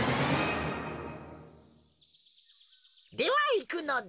ではいくのだ。